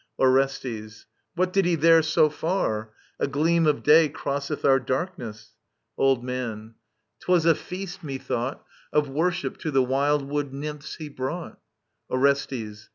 Orestes. What did he there so far ?— ^A gleam of day Crosseth our darkness. Old Man. Twas a feast, methought* Of worship to the vrild wood njrmphs he wrought. Orestes.